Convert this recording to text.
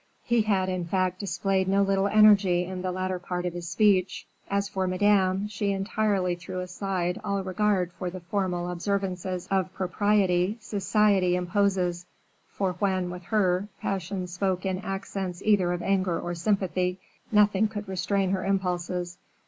He had, in fact, displayed no little energy in the latter part of his speech. As for Madame, she entirely threw aside all regard for the formal observances of propriety society imposes; for when, with her, passion spoke in accents either of anger or sympathy, nothing could restrain her impulses.